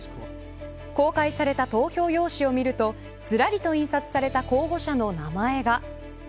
公開された投票用紙を見るとずらりと印刷された候補者の名前が。